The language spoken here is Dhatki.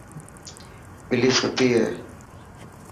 ٻلي ستي هي.